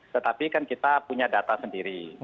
tetapi kan kita punya data sendiri